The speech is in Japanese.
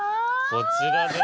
こちらです。